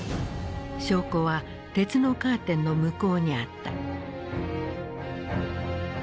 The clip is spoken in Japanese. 証拠は鉄のカーテンの向こうにあった。